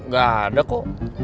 gak ada kok